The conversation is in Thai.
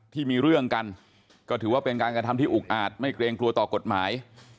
ที่มีเรื่องกันก็ถือว่าเป็นการกระทำที่อุกอาจไม่เกรงกลัวต่อกฎหมาย